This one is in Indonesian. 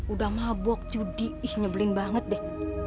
udah mabok judi ih nyebelin banget deh